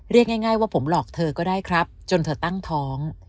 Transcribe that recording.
เรียกง่ายว่าผมหลอกเธอก็ได้ครับจนเธอตั้งท้อง